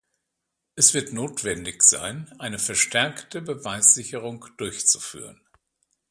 Es wird notwendig sein, eine verstärkte Beweissicherung durchzuführen.